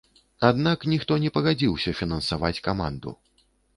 Аднак ніхто не пагадзіўся фінансаваць каманду.